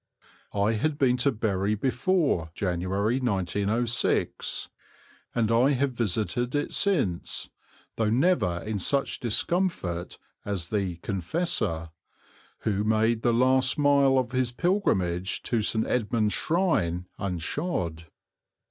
I had been to Bury before January, 1906, and I have visited it since, though never in such discomfort as the Confessor, who made the last mile of his pilgrimage to St. Edmund's shrine unshod.